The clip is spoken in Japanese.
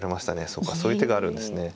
そうかそういう手があるんですね。